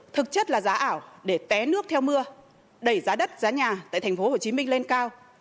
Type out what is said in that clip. thực chất là giá ảo để té nước theo mưa đẩy giá đất giá nhà tại tp hcm lên cao